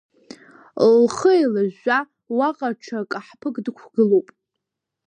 Лхы еилажәжәа, уаҟа ҽа каҳԥык дықәгылахуп.